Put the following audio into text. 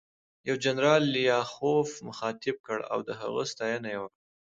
یو جنرال لیاخوف مخاطب کړ او د هغه ستاینه یې وکړه